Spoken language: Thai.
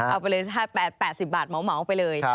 เอาไปเลยถ้า๘๐บาทเหมาไปเลย